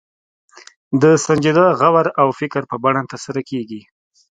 د سنجیده غور او فکر په بڼه ترسره کېږي.